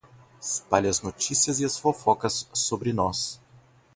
Espalhe as notícias e as fofocas sobre nós